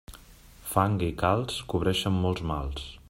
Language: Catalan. Fang i calç, cobreixen molts mals.